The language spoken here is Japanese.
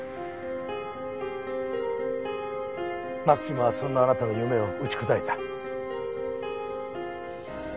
松島はそんなあなたの夢を打ち砕いた。